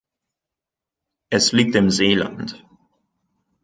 Es liegt im Seeland.